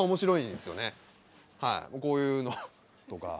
でもこういうのとか。